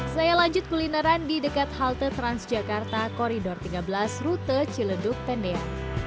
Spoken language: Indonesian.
saya lanjut kulineran di dekat halte transjakarta koridor tiga belas rute ciledug tendean